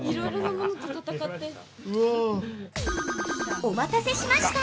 ◆お待たせしました！